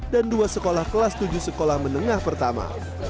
dan dua sekolah kelas tujuh sekolah menengah pertama